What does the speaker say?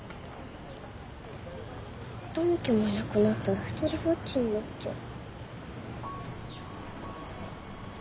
友樹もいなくなったら独りぼっちになっちゃう。